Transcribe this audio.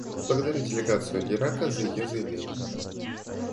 Благодарю делегацию Ирака за ее заявление.